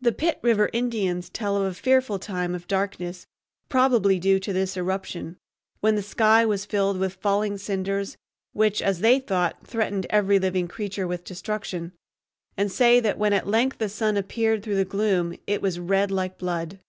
The Pitt River Indians tell of a fearful time of darkness, probably due to this eruption, when the sky was filled with falling cinders which, as they thought, threatened every living creature with destruction, and say that when at length the sun appeared through the gloom it was red like blood.